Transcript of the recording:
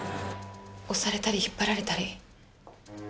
押されたり引っ張られたり。